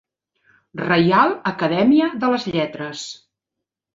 Reial Acadèmia de les Lletres.